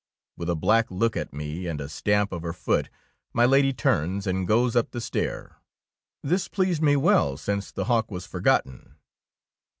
With a black look at me and a stamp of her foot, my Lady turns and goes up the stair. This pleased me well, since the hawk was forgotten.